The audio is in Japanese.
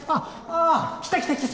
あ来た来た来た。